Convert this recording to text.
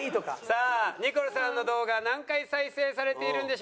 さあニコルさんの動画何回再生されているんでしょうか。